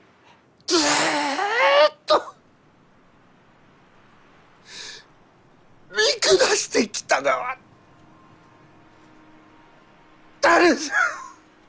ずっと見下してきたがは誰じゃ。